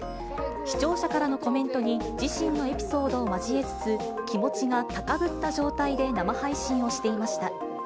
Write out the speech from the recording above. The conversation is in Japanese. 視聴者からのコメントに自身のエピソードを交えつつ、気持ちが高ぶった状態で生配信をしていました。